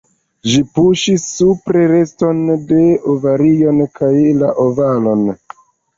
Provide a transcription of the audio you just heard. Ĝi puŝis supre reston de ovarion kaj la ovolon.